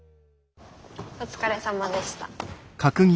お疲れさまでした。